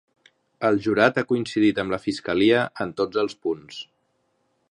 El jurat ha coincidit amb la fiscalia en tots els punts.